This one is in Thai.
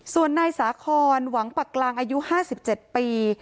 ส่วนนายสาคอนหวังปักกลางอายุ๕๗ปี